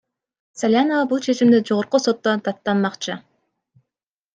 Салянова бул чечимди Жогорку сотто даттанмакчы.